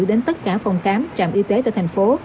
đến tất cả phòng khám trạm y tế tại thành phố